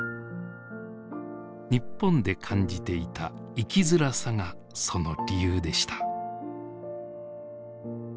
日本で感じていた生きづらさがその理由でした。